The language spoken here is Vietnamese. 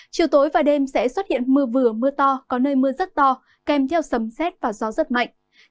chiều tối và đêm sẽ xuất hiện mưa vừa mưa to có nơi mưa rất to kèm theo sấm xét và gió rất mạnh